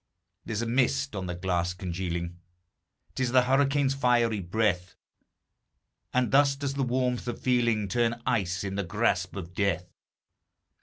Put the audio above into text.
There's a mist on the glass congealing, 'T is the hurricane's fiery breath; And thus does the warmth of feeling Turn ice in the grasp of Death.